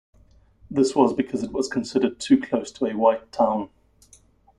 This was because it was considered too close to a white town.